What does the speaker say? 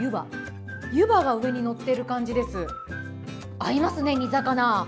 合いますね、煮魚。